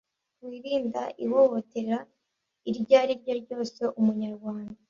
wirinda ihohotera iryo ari ryo ryose Umunyarwanda